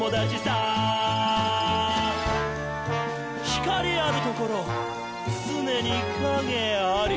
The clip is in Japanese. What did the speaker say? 「光あるところ、つねに影あり！」